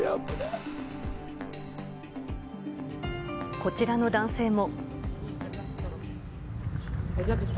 こちらの男性も。